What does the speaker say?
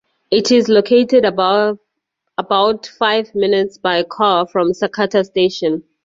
It is located about five minutes by car from Sakata Station.